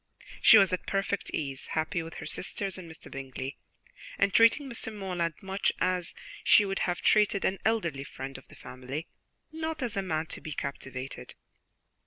She was at perfect ease, happy with her sisters and Mr. Bingley, and treating Mr. Morland much as she would have treated an elderly friend of the family, not as a man to be captivated.